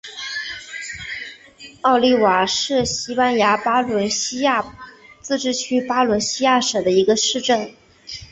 奥利瓦是西班牙巴伦西亚自治区巴伦西亚省的一个市镇。